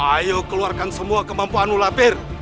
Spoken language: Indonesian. ayo keluarkan semua kemampuanmu lapir